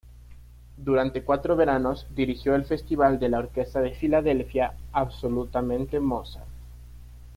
Durante cuatro veranos, dirigió el Festival de la Orquesta de Filadelfia "Absolutamente Mozart".